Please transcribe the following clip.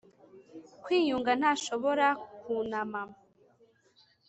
kwiyunga ntashobora kunama -